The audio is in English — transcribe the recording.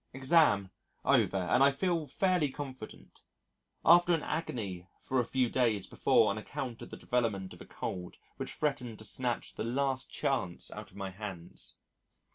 Exam. over and I feel fairly confident after an agony for a few days before on account of the development of a cold which threatened to snatch the last chance out of my hands.